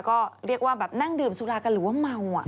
ก็เรียกว่าแบบนั่งดื่มสุรากันหรือว่าเมา